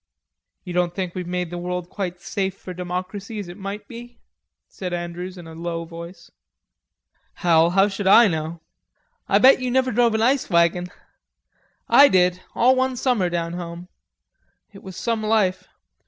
"You don't think we've made the world quite as safe for Democracy as it might be?" said Andrews in a low voice. "Hell, how should I know? I bet you never drove an ice wagon.... I did, all one summer down home.... It was some life.